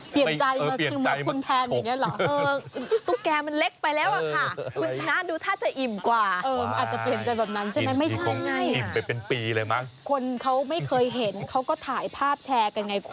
เปลี่ยนใจเหมือนคือมันคุณแพงอย่างนี้หรอเออเปลี่ยนใจมันชก